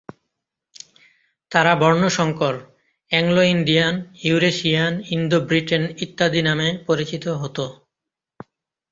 তারা বর্ণসংকর, Anglo-Indian, Eurasian, Indo-Britton ইত্যাদি নামে পরিচিত হতো।